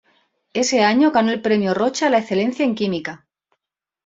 Ese año ganó el premio Roche a la Excelencia en Química.